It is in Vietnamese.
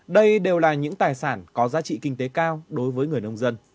đây đều là những tài sản có giá trị kinh tế cao đối với người nông dân